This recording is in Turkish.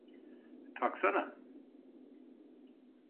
Taksana.